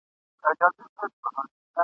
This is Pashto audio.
ملاجان ته خدای ورکړي نن د حورو قافلې دي ..